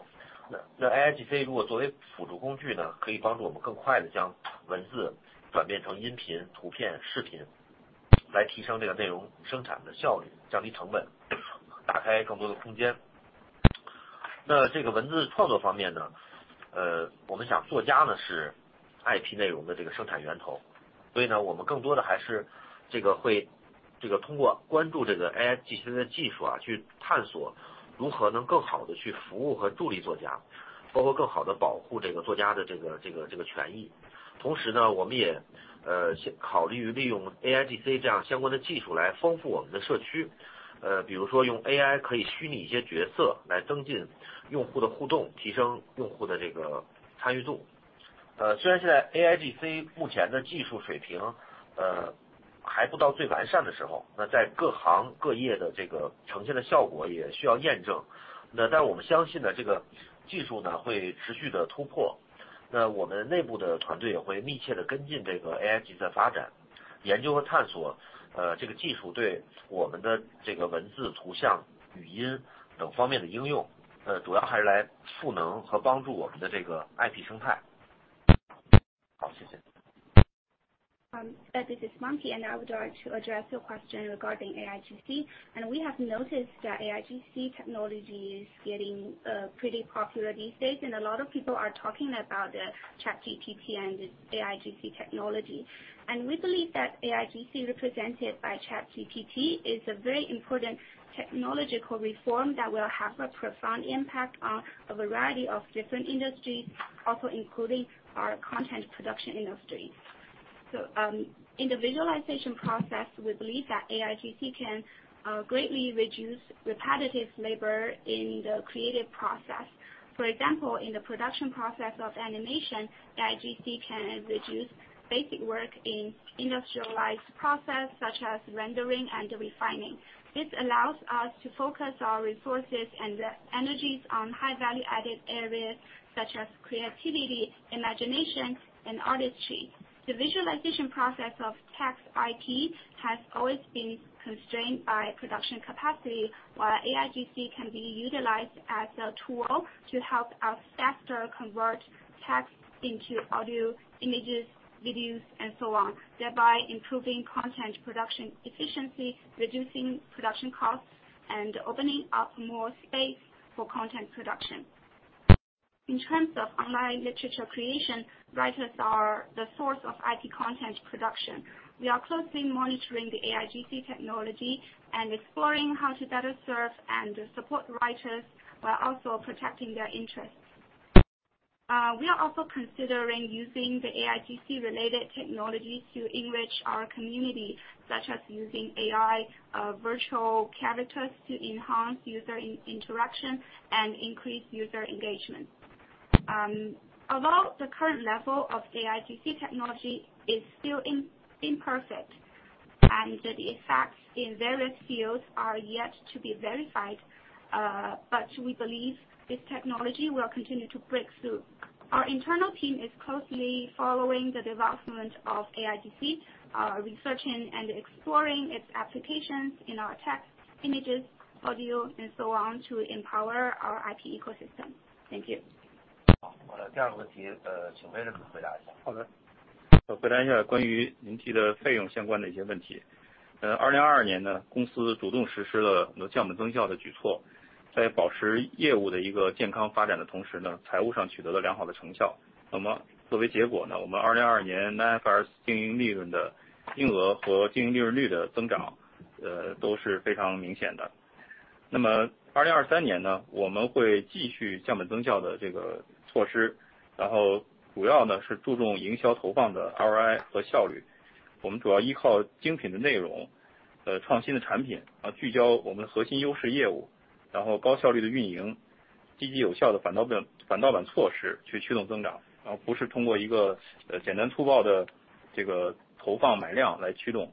那 AIGC 如果作为辅助工具 呢， 可以帮助我们更快地将文字转变成音频、图片、视 频， 来提升这个内容生产的效 率， 降低成 本， 打开更多的空间。那这个文字创作方面 呢， 呃， 我们想作家 呢， 是 IP 内容的生产源 头， 所以 呢， 我们更多的还 是， 这个会，这个通过关注这个 AIGC 的技术去探索如何能更好地去服务和助力作 家， 包括更好地保护这个作家的这 个， 这 个， 这个权益。同时 呢， 我们 也， 呃， 考虑利用 AIGC 这样相关的技术来丰富我们的社 区， 呃， 比如说用 AI 可以虚拟一些角色来增进用户的互 动， 提升用户的这个参与度。呃， 虽然现在 AIGC 目前的技术水 平， 呃，还不到最完善的时 候， 那在各行各业的这个呈现的效果也需要验证。那但我们相信这个技术 呢， 会持续地突 破， 那我们内部的团队也会密切地跟进这个 AIGC 的发 展， 研究和探 索， 呃， 这个技术对我们的这个文字、图像、语音等方面的应 用， 呃， 主要还是来赋能和帮助我们的这个 IP 生态。好， 谢谢。This is Monkey. I would like to address your question regarding AIGC. We have noticed that AIGC technology is getting pretty popular these days. A lot of people are talking about the ChatGPT and AIGC technology. We believe that AIGC represented by ChatGPT is a very important technological reform that will have a profound impact on a variety of different industries, also including our content production industry. In the visualization process, we believe that AIGC can greatly reduce repetitive labor in the creative process. For example, in the production process of animation, AIGC can reduce basic work in industrialized process such as rendering and refining. This allows us to focus our resources and energies on high value added areas such as creativity, imagination and artistry. The visualization process of text IP has always been constrained by production capacity, while AIGC can be utilized as a tool to help us faster convert text into audio, images, videos and so on, thereby improving content production efficiency, reducing production costs, and opening up more space for content production. In terms of online literature creation, writers are the source of IP content production. We are closely monitoring the AIGC technology and exploring how to better serve and support writers while also protecting their interests. We are also considering using the AIGC related technologies to enrich our community, such as using AI virtual characters to enhance user interaction and increase user engagement. About the current level of AIGC technology is still imperfect, and the effects in various fields are yet to be verified. We believe this technology will continue to break through. Our internal team is closely following the development of AIGC, researching and exploring its applications in our text, images, audio and so on to empower our IP ecosystem. Thank you. 好，我 的第二个问 题，请 William 回答一下。好 的， 我回答一下关于您提的费用相关的一些问题。2022 年 呢， 公司主动实施了降本增效的举 措， 在保持业务的一个健康发展的同时 呢， 财务上取得了良好的成效。那么作为结果 呢， 我们2022年 IFRS 经营利润的金额和经营利润率的增 长， 都是非常明显的。那么2023年 呢， 我们会继续降本增效的这个措 施， 然后主要呢是注重营销投放的 ROI 和效率。我们主要依靠精品的内 容， 创新的产 品， 聚焦我们的核心优势业 务， 然后高效率地运 营， 积极有效的反盗版措施去驱动增 长， 而不是通过一个简单粗暴的这个投放买量来驱动。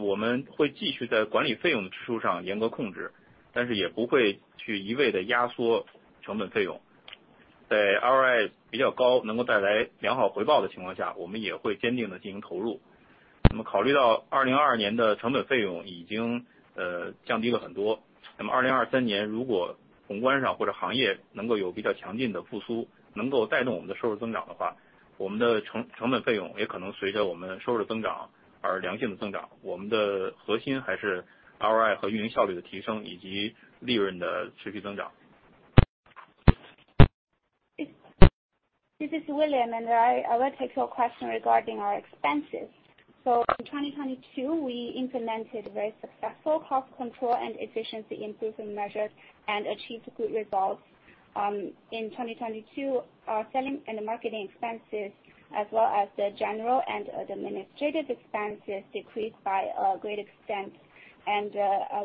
我们会继续在管理费用支出上严格控 制， 但是也不会去一味地压缩成本费用。在 ROI 比较 高， 能够带来良好回报的情况 下， 我们也会坚定地进行投入。那么考虑到2022年的成本费用已经 呃， 降低了很 多， 那么2023年如果宏观上或者行业能够有比较强劲的复 苏， 能够带动我们的收入增长的 话， 我们的 成， 成本费用也可能随着我们收入的增长而线性地增长。我们的核心还是 ROI 和运营效率的提 升， 以及利润的持续增长。This is William. I will take your question regarding our expenses. In 2022, we implemented very successful cost control and efficiency improvement measures and achieved good results in 2022. Our selling and marketing expenses as well as the general and administrative expenses decreased by a great extent.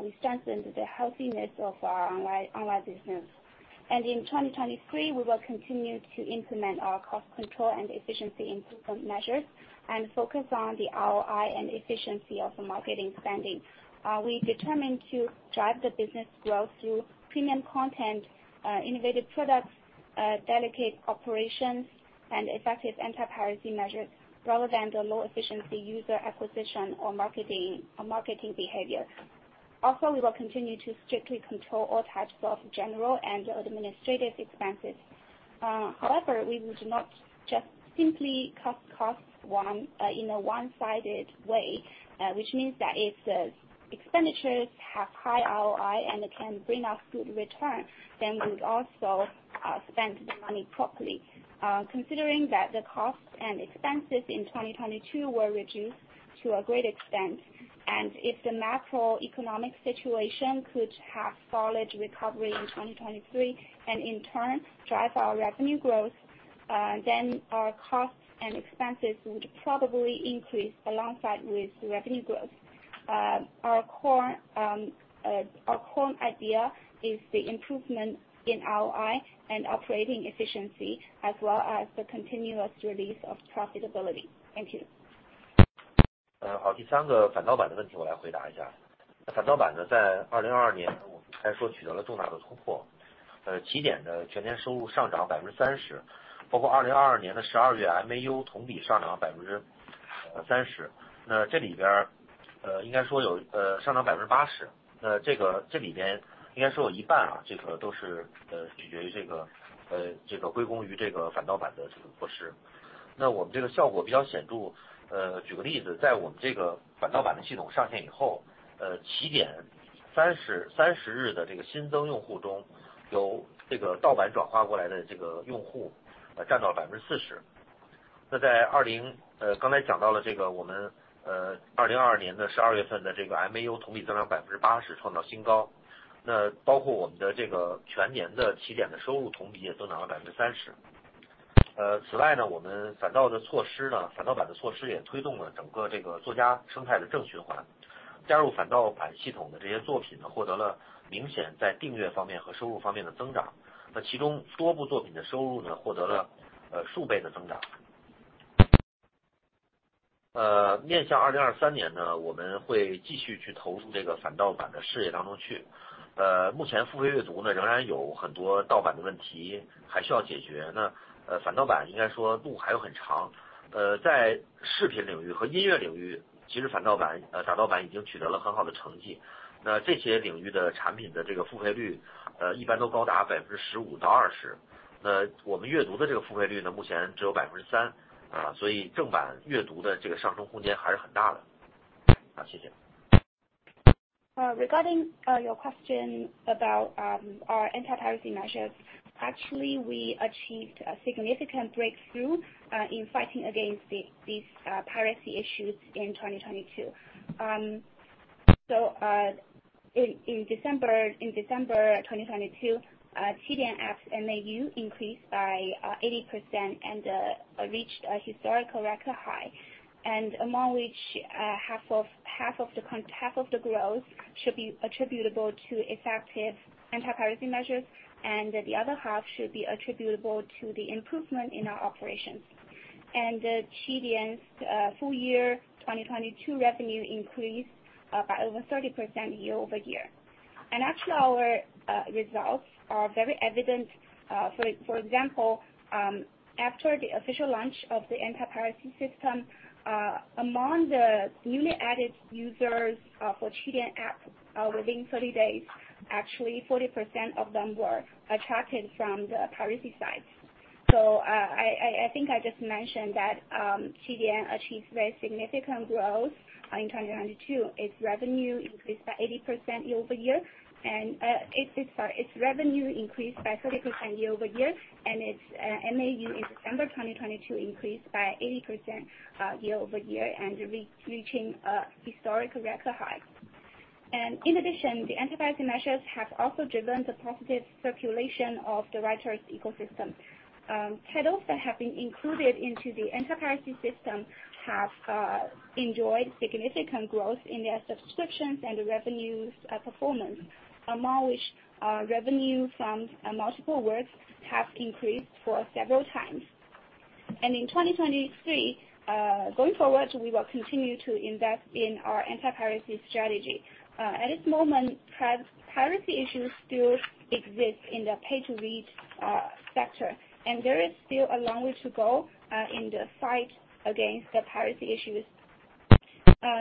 We strengthened the healthiness of our online business. In 2023, we will continue to implement our cost control and efficiency improvement measures and focus on the ROI and efficiency of marketing spending. We determined to drive the business growth through premium content, innovative products, delicate operations and effective anti-piracy measures, rather than the low efficiency user acquisition or marketing behavior. We will continue to strictly control all types of general and administrative expenses. However, we would not just simply cut costs in a one-sided way, which means that if the expenditures have high ROI and can bring us good return, we would also spend the money properly. Considering that the costs and expenses in 2022 were reduced to a great extent, and if the macroeconomic situation could have solid recovery in 2023 and in turn drive our revenue growth, our costs and expenses would probably increase alongside with revenue growth. Our core idea is the improvement in ROI and operating efficiency as well as the continuous release of profitability. Thank you. 第3个反盗版的问题我来回答一下。反盗版 呢， 在2022我们应该说取得了重大的突破。Qidian 的全年收入上涨 30%， 包括2022的12 月， MAU 同比上涨 30%。这里边应该说有上涨 80%， 这 个， 这里边应该说有一半 啊， 这个都是取决于这个归功于这个反盗版的这个措施。我们这个效果比较显著。举个例 子， 在我们这个反盗版的系统上线以 后， Qidian 30-day 的这个新增用户 中， 由这个盗版转化过来的这个用户占到 40%。刚才讲到了这个我们2022的12月份的这个 MAU 同比增长 80%， 创造新高。包括我们的这个全年的 Qidian 的收入同比也增长了 30%。此外 呢， 我们反盗版的措施也推动了整个这个作家生态的正循环。加入反盗版系统的这些作品 呢， 获得了明显在订阅方面和收入方面的增 长， 其中多部作品的收入 呢， 获得了数倍的增长。面向2023 呢， 我们会继续去投入这个反盗版的事业当中去。目前付费阅读 呢， 仍然有很多盗版的问题还需要解决。反盗版应该说路还有很长。在视频领域和音乐领 域， 其实反盗版已经取得了很好的成绩。这些领域的产品的这个付费率一般都高达 15%-20%。我们阅读的这个付费率 呢， 目前只有 3%， 所以正版阅读的这个上升空间还是很大的。谢谢。Regarding your question about our anti-piracy measures, actually, we achieved a significant breakthrough in fighting against these piracy issues in 2022. In December 2022, Qidian's MAU increased by 80% and reached a historical record high, and among which, half of the growth should be attributable to effective anti-piracy measures, and the other half should be attributable to the improvement in our operations. Qidian's full year 2022 revenue increased by over 30% year-over-year. Actually our results are very evident. For example, after the official launch of the anti-piracy system, among the newly added users for Qidian app, within 30 days, actually 40% of them were attracted from the piracy sites. I think I just mentioned that Qidian achieved very significant growth in 2022. Its revenue increased by 80% year-over-year, its revenue increased by 30% year-over-year, and its MAU in December 2022 increased by 80% year-over-year and re-reaching a historical record high. In addition, the anti-piracy measures have also driven the positive circulation of the writers ecosystem. Titles that have been included into the anti-piracy system have enjoyed significant growth in their subscriptions and revenues performance, among which, revenue from multiple works has increased for several times. In 2023, going forward, we will continue to invest in our anti-piracy strategy. At this moment, piracy issues still exist in the pay-to-read sector, and there is still a long way to go in the fight against the piracy issues.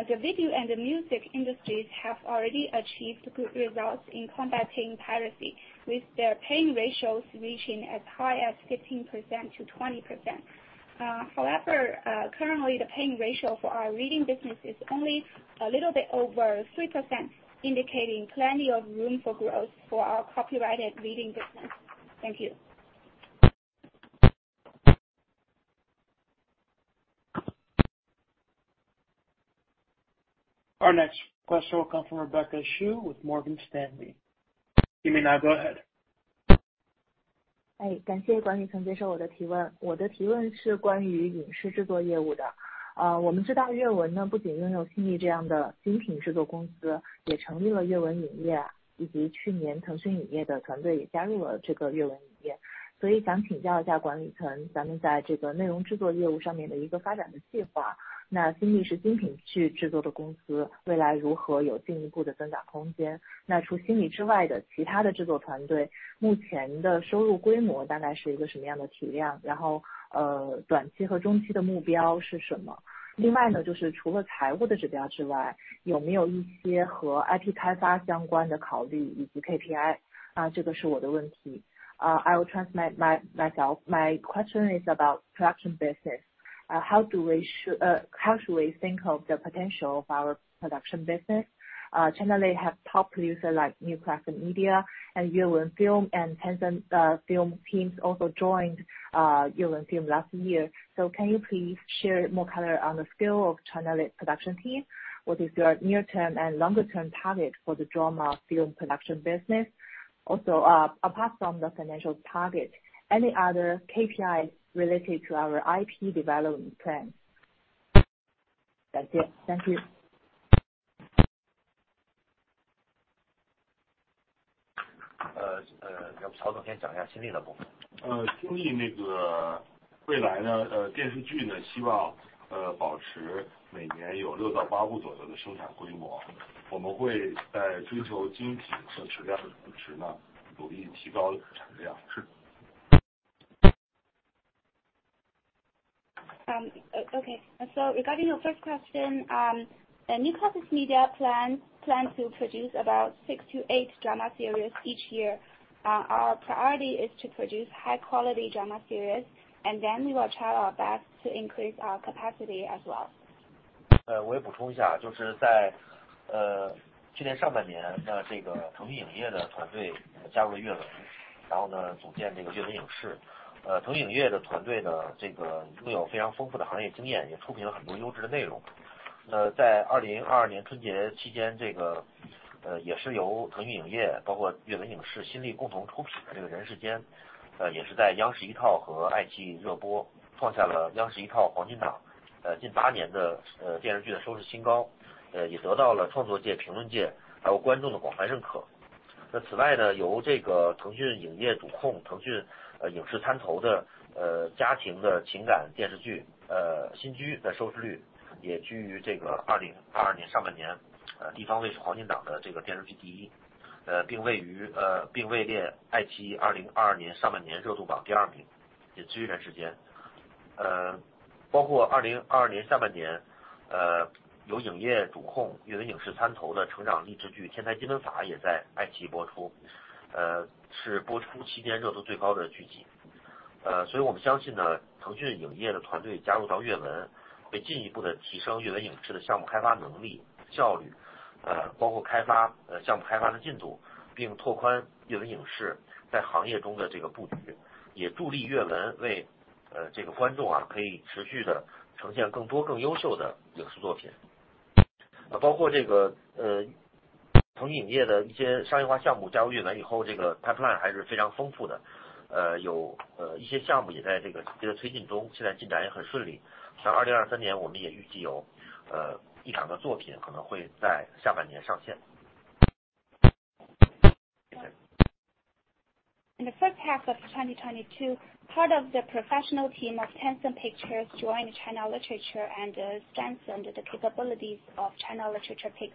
The video and the music industries have already achieved good results in combating piracy, with their paying ratios reaching as high as 15%-20%.However, currently the paying ratio for our reading business is only a little bit over 3%, indicating plenty of room for growth for our copyrighted reading business. Thank you. Our next question will come from Rebecca Xu with Morgan Stanley. You may now go ahead. I will transmit myself. My question is about production business. How do we think of the potential of our production business? China Literature have top producer like New Classics Media and Yuewen Film and Tencent Film teams also joined Yuewen Film last year. Can you please share more color on the skill of China Lit production team? What is your near-term and longer term target for the drama film production business? Apart from the financial target, any other KPIs related to our IP development plan? That's it. Thank you. Okay. Regarding your first question, the New Classics Media plans to produce about six to eight drama series each year. Our priority is to produce high quality drama series, and then we will try our best to increase our capacity as well. Okay. Regarding your first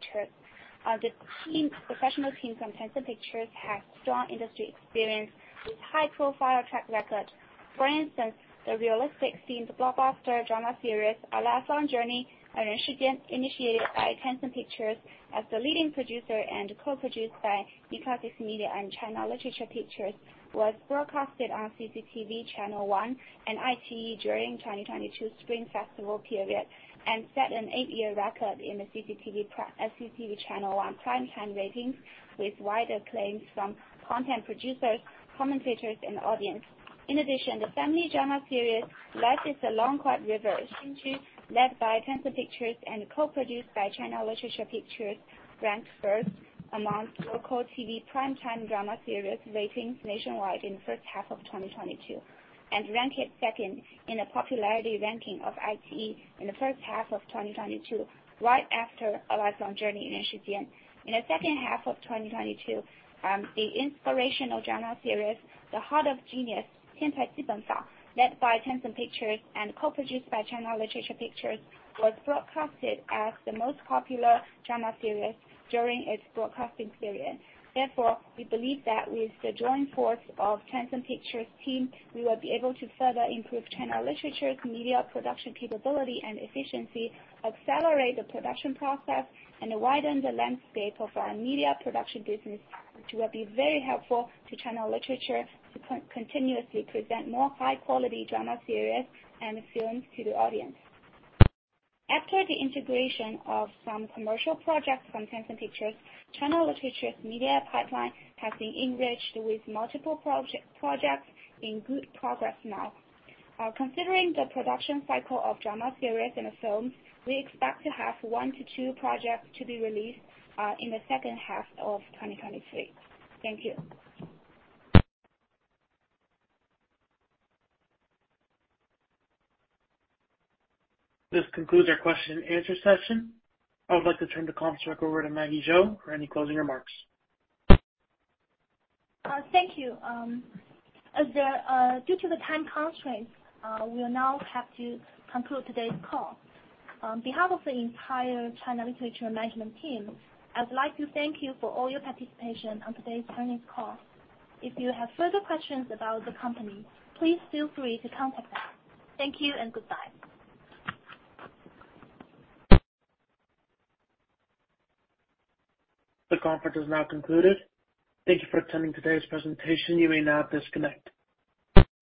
question, the inspirational drama series, The Heart of a Genius, led by Tencent Pictures and co-produced by China Literature Pictures, was broadcasted as the most popular drama series during its broadcasting period. We believe that with the joint force of Tencent Pictures team, we will be able to further improve China Literature's media production capability and efficiency, accelerate the production process, and widen the landscape of our media production business, which will be very helpful to China Literature to continuously present more high quality drama series and films to the audience. After the integration of some commercial projects from Tencent Pictures, China Literature's media pipeline has been enriched with multiple projects in good progress now. Considering the production cycle of drama series and films, we expect to have one to two projects to be released, in the second half of 2023. Thank you. This concludes our question answer session. I would like to turn the comms back over to Maggie Zhou for any closing remarks. Thank you. As the due to the time constraints, we'll now have to conclude today's call. On behalf of the entire China Literature management team, I'd like to thank you for all your participation on today's earnings call. If you have further questions about the company, please feel free to contact us. Thank you and goodbye. The conference is now concluded. Thank you for attending today's presentation. You may now disconnect.